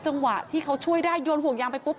จังหวะที่เขาช่วยได้โยนห่วงยางไปปุ๊บ